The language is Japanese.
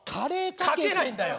かけないんだよ！